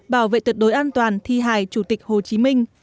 bảo vệ tuyệt đối an toàn thi hài chủ tịch hồ chí minh